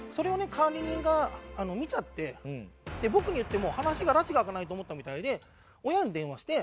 管理人が見ちゃって僕に言っても話がらちが明かないと思ったみたいで親に電話して。